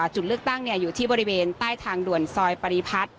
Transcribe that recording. จุดเลือกตั้งอยู่ที่บริเวณใต้ทางด่วนซอยปริพัฒน์